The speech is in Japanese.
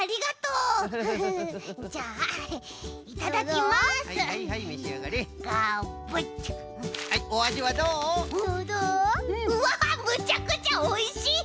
うわむちゃくちゃおいしい！